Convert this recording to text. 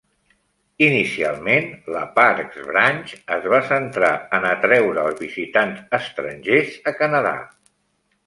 Inicialment, la Parks Branch es va centrar en atreure els visitants estrangers a Canadà.